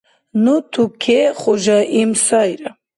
Ну туке хужаим сайра.